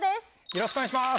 よろしくお願いします